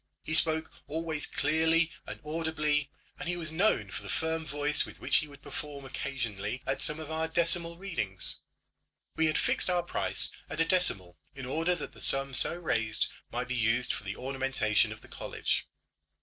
He spoke always clearly and audibly, and he was known for the firm voice with which he would perform occasionally at some of our decimal readings. We had fixed our price at a decimal in order that the sum so raised might be used for the ornamentation of the college.